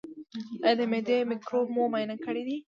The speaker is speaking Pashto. ایا د معدې مکروب مو معاینه کړی دی؟